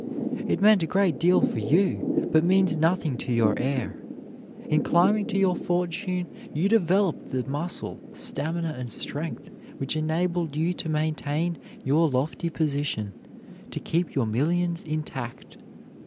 It meant a great deal for you, but means nothing to your heir. In climbing to your fortune, you developed the muscle, stamina, and strength which enabled you to maintain your lofty position, to keep your millions intact.